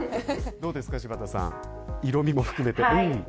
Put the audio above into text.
どうですか、柴田さん色味も含めて。